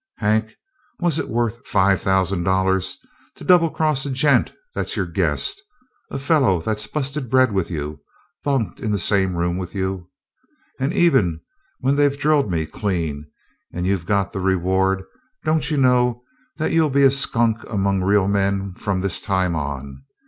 Hank, was it worth five thousand to double cross a gent that's your guest a fellow that's busted bread with you, bunked in the same room with you? And even when they've drilled me clean, and you've got the reward, don't you know that you'll be a skunk among real men from this time on?